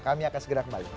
kami akan segera kembali